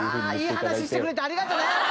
いい話してくれてありがとね！